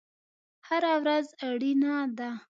هره ورځ اړینه ده